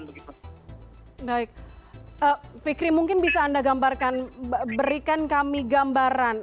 baik fikri mungkin bisa anda gambarkan berikan kami gambaran